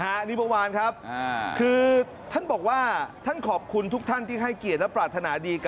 อันนี้เมื่อวานครับคือท่านบอกว่าท่านขอบคุณทุกท่านที่ให้เกียรติและปรารถนาดี